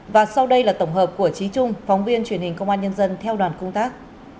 và sau đây là tổng hợp của trí trung phóng viên truyền hình công an nhân dân theo đoàn công tác